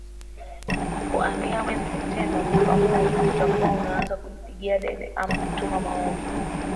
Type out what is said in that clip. kuanzia mwezi septemba mwaka huu utakuwa unaanza kujipigia debe ama kutuma maombi